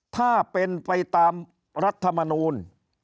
ถ้าเป็นไปตามรัฐมนูล